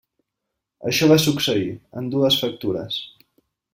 Això va succeir, en dues factures.